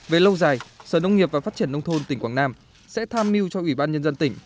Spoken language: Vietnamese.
về lâu dài sở nông nghiệp và phát triển nông thôn tỉnh quảng nam sẽ tham mưu cho ủy ban nhân dân tỉnh